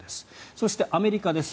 そして、アメリカです。